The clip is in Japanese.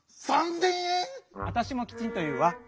３，０００円⁉あたしもきちんというわ。